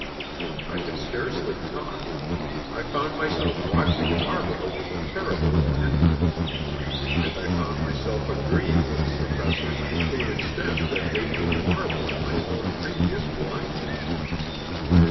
I could scarcely talk; I found myself watching Margot with a terrible intentness, and I found myself agreeing with the Professor to an extent that made me marvel at my own previous blindness.